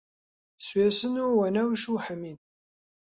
سوێسن و وەنەوش و هەمین